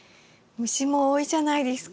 虫も多いじゃないですか。